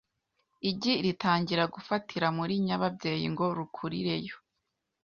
Igi ritangira gufatira muri nyababyeyi ngo rukurireyo